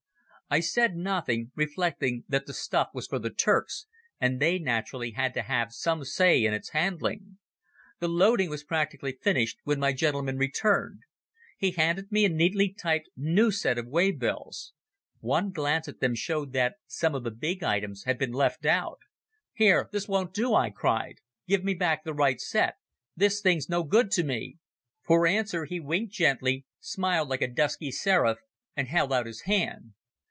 I said nothing, reflecting that the stuff was for the Turks and they naturally had to have some say in its handling. The loading was practically finished when my gentleman returned. He handed me a neatly typed new set of way bills. One glance at them showed that some of the big items had been left out. "Here, this won't do," I cried. "Give me back the right set. This thing's no good to me." For answer he winked gently, smiled like a dusky seraph, and held out his hand.